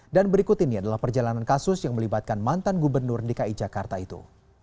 dan berikut ini adalah perjalanan kasus yang melibatkan mantan gubernur di ki jakarta itu